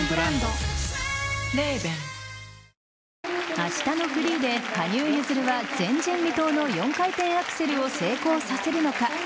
明日のフリーで、羽生結弦は前人未到の４回転アクセルを成功させるのか。